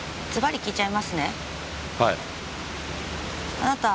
あなた